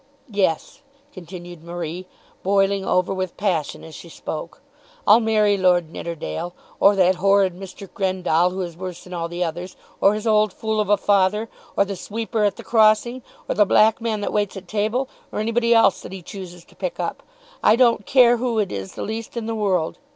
"Yes," continued Marie, boiling over with passion as she spoke. "I'll marry Lord Nidderdale, or that horrid Mr. Grendall who is worse than all the others, or his old fool of a father, or the sweeper at the crossing, or the black man that waits at table, or anybody else that he chooses to pick up. I don't care who it is the least in the world.